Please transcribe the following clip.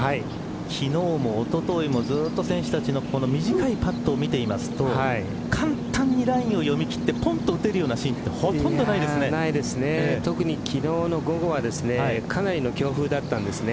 昨日もおとといもずっと選手たちのこの短いパットを見ていますと簡単にラインを読み切ってポンと打てるようなシーンは特に昨日の午後はかなりの強風だったんですね。